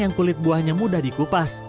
yang kulit buahnya mudah dikupas